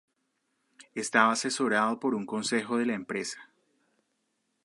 Estaba asesorado por un Consejo de la Empresa.